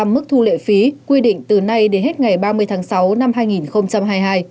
mức thu lệ phí quy định từ nay đến hết ngày ba mươi tháng sáu năm hai nghìn hai mươi hai